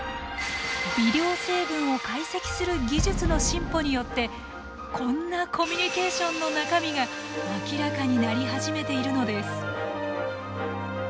微量成分を解析する技術の進歩によってこんなコミュニケーションの中身が明らかになり始めているのです。